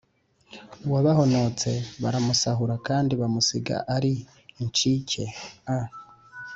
Uwabahonotse baramusahura Kandi bamusiga ari incike A